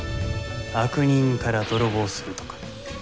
悪人から泥棒するとか。